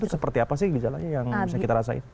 itu seperti apa sih gejalanya yang bisa kita rasain